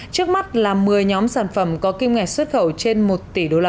trước mắt là một mươi nhóm sản phẩm có kim ngạch xuất khẩu trên một tỷ usd